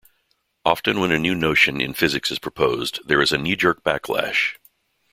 Often when a new notion in physics is proposed there is a knee-jerk backlash.